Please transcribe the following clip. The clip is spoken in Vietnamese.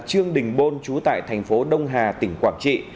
trương đình bôn chú tại thành phố đông hà tỉnh quảng trị